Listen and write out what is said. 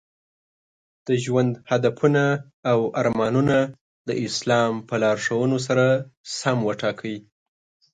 د ژوند هدفونه او ارمانونه د اسلام په لارښوونو سره سم وټاکئ.